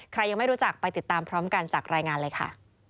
ใครยังไม่รู้จักไปติดตามพร้อมกันจากรายงานเลยค่ะ